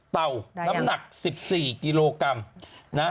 เต่าน้ำหนัก๑๔กิโลกรัมนะ